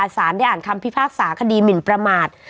สารได้อ่านคำพิพากษาคดีหมินประมาท